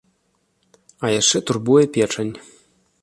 А яшчэ турбуе печань.